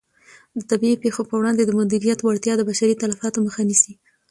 د طبیعي پېښو په وړاندې د مدیریت وړتیا د بشري تلفاتو مخه نیسي.